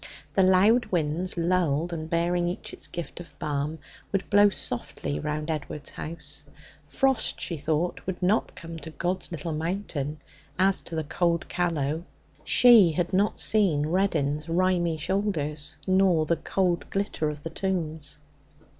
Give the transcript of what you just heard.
The loud winds, lulled and bearing each its gift of balm, would blow softly round Edward's house. Frost, she thought, would not come to God's Little Mountain as to the cold Callow. She had not seen Reddin's rimy shoulders, nor the cold glitter of the tombs.